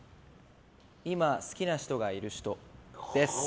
今、好きな人がいる人です。